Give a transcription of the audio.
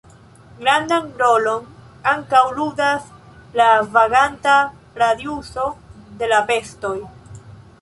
Grandan rolon ankaŭ ludas la vaganta radiuso de la bestoj.